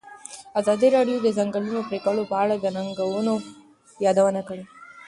ازادي راډیو د د ځنګلونو پرېکول په اړه د ننګونو یادونه کړې.